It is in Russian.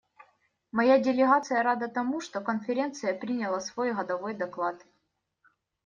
Моя делегация рада тому, что Конференция приняла свой годовой доклад.